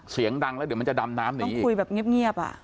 เสียงดังแล้วเดี๋ยวมันจะดำน้ำเนี่ยต้องคุยแบบเงียบอ่ะ